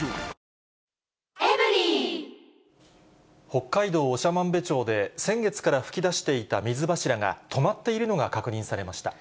北海道長万部町で、先月から噴き出していた水柱が、止まっているのが確認されました。